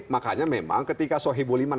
makanya memang ketika sohibul iman